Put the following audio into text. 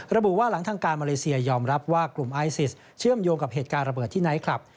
ระบุว่าหลังทางการมาเลเซียยอมรับว่ากลุ่มไอซิสเชื่อมโยงกับเหตุการณ์ระเบิดที่ไนท์คลับ